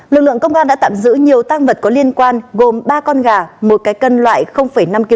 lực lượng công an đã tạm giữ nhiều tăng vật có liên quan gồm ba con gà một cái cân loại năm kg